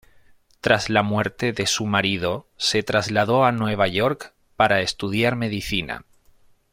Tras la muerte de su marido se trasladó a Nueva York para estudiar medicina.